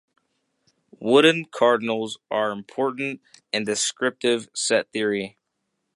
Woodin cardinals are important in descriptive set theory.